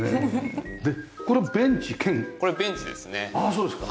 そうですか！